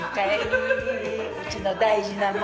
うちの大事な孫。